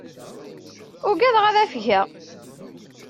Ugadeɣ ad afgeɣ.